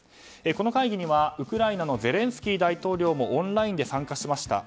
この会議には、ウクライナのゼレンスキー大統領もオンラインで参加しました。